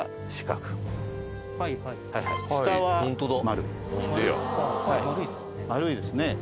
丸いですね。